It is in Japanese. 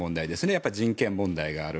やっぱり人権問題がある。